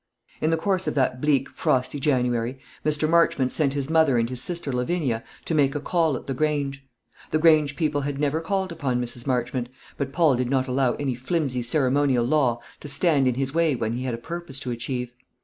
In the course of that bleak, frosty January, Mr. Marchmont sent his mother and his sister Lavinia to make a call at the Grange. The Grange people had never called upon Mrs. Marchmont; but Paul did not allow any flimsy ceremonial law to stand in his way when he had a purpose to achieve.